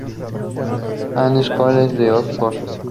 Anne's College de Oxford.